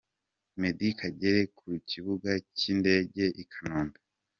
Meddie Kagere ku kibuga cy’indege i Kanombe.